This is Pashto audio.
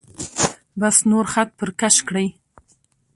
بس نور خط پر کش کړئ.